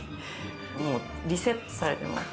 もうリセットされてます。